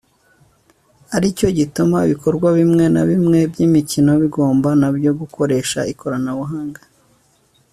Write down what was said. aricyo gituma ibikorwa bimwe na bimwe by’imikino bigomba nabyo gukoresha ikoranabuhanga